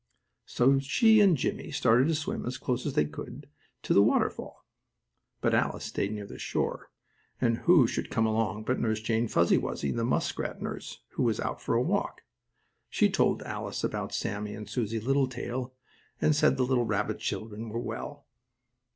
So she and Jimmie started to swim as close as they could to the waterfall. But Alice stayed near shore, and who should come along but Nurse Jane Fuzzy Wuzzy, the muskrat nurse who was out for a walk. She told Alice about Sammie and Susie Littletail, and said the little rabbit children were well.